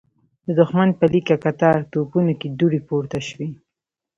د دښمن په ليکه کتار توپونو کې دوړې پورته شوې.